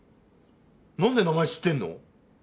なんで名前知ってんの？